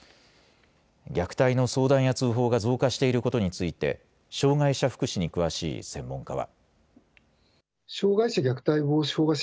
虐待の相談や通報が増加していることについて、障害者福祉に詳しい専門家は。